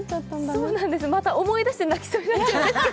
そうなんです、また思い出して泣きそうになっちゃった。